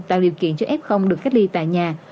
tạo điều kiện cho f được cách ly tại nhà